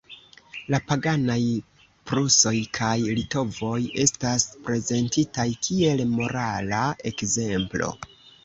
La paganaj prusoj kaj litovoj estas prezentitaj kiel morala ekzemplo.